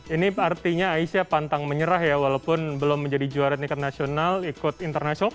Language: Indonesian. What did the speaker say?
ini artinya aisyah pantang menyerah ya walaupun belum menjadi juara tingkat nasional ikut internasional